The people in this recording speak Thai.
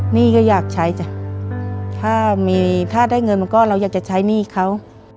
หนี้ก็อยากใช้ถ้าได้เงินเราก็อยากจะใช้หนี้เขา